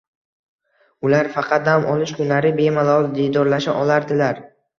Ular faqat dam olish kunlari bemalol diydorlasha olardilar